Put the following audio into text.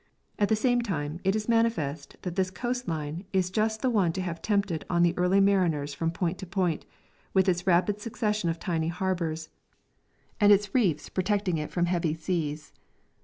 At the same time, it is manifest that this coast line is just the one to have tempted on the early mariners from point to point, with its rapid succession of tiny harbours and its reefs protecting it from heavy seas.